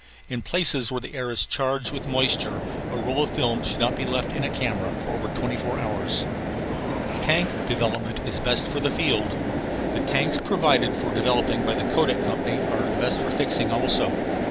In places where the air is charged with moisture a roll of films should not be left in a camera over twenty four hours. Tank development is best for the field. The tanks provided for developing by the Kodak Company are best for fixing also.